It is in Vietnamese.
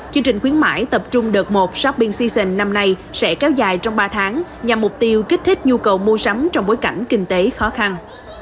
chương trình khuyến mãi tập trung đợt một shopping seation năm nay sẽ kéo dài trong ba tháng nhằm mục tiêu kích thích nhu cầu mua sắm trong bối cảnh kinh tế khó khăn